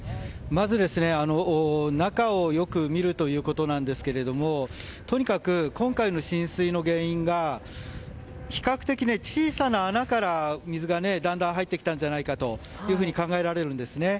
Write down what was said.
まず、中をよく見るということなんですけれどもとにかく今回の浸水の原因が比較的小さな穴から水がだんだん入ってきたんじゃないかと考えられるんですね。